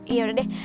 iya udah deh